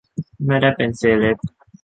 ไม่ได้เป็นเซเลบ.